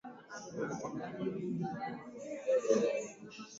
kufanya mazingaumbwe ili upate kiongozi